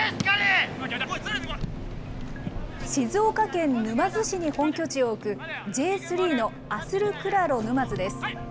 静岡県沼津市に本拠地を置く、Ｊ３のアスルクラロ沼津です。